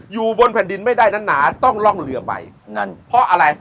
อยู่บนแผ่นดินไม่ได้นั้นหนาต้องล่องเรือไปนั่นเพราะอะไร